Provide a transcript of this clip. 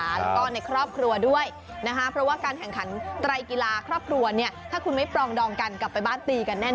แล้วก็ในครอบครัวด้วยนะคะเพราะว่าการแข่งขันไตรกีฬาครอบครัวเนี่ยถ้าคุณไม่ปรองดองกันกลับไปบ้านตีกันแน่น